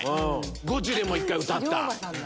ゴチでも歌った。